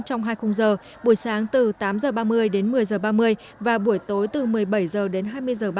trong hai khung giờ buổi sáng từ tám h ba mươi đến một mươi h ba mươi và buổi tối từ một mươi bảy h đến hai mươi h ba mươi